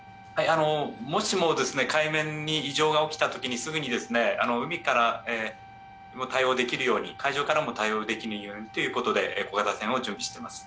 もし、海面に異常ができたときにすぐに海から対応できるように、海上からも対応できるようにということで小型船を準備しています。